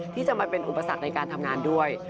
ที่จะมาเป็นอุปสรรคในการทำงานด้วย